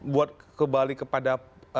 buat kembali kepada